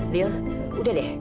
lil udah deh